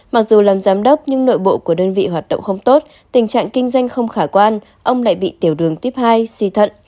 mặc dù làm giám đốc nhưng nội bộ của đơn vị hoạt động không tốt tình trạng kinh doanh không khả quan ông lại bị tiểu đường tuyếp hai suy thận